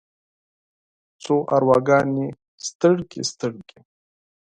څو ارواګانې ستړې، ستړې